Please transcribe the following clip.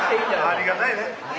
ありがたいね。